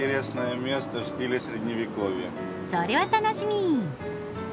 それは楽しみ！